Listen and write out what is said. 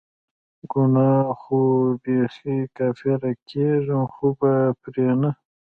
ګناه ده خو بیخي کافره کیږم خو به پری نه